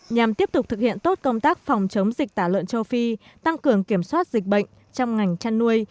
nhằm tiếp tục thực hiện tốt công tác phòng chống dịch tả lợn châu phi tăng cường kiểm soát dịch bệnh trong ngành chăn nuôi